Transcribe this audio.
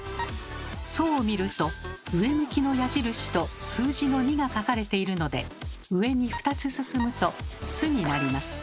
「そ」を見ると上向きの矢印と数字の２が書かれているので上に２つ進むと「す」になります。